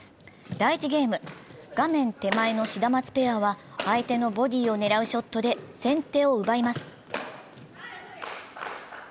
第１ゲーム、画面手前のシダマツペアは相手のボディーを狙うショットで先手を奪います。